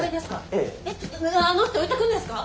えあの人置いていくんですか？